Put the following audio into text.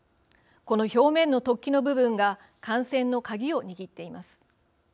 この表面の突起の部分が感染の鍵を握っています。